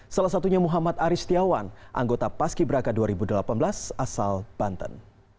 salah satunya muhammad aris tiawan anggota paski beraka dua ribu delapan belas asal banten